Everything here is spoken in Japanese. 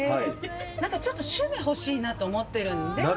なんかちょっと趣味欲しいなと思ってるんで。